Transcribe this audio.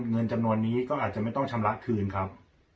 เงินจำนวนนี้ก็อาจจะไม่ต้องชำระคืนครับ